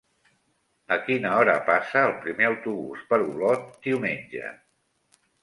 A quina hora passa el primer autobús per Olot diumenge?